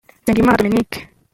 Nsengimana Dominique